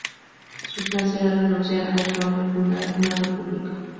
Su plan será renunciar al trono y fundar una república.